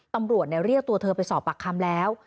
ตำรวจเรียกตัวเธอไปสอบปากคำแล้ว